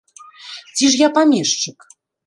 Ці ж я памешчык?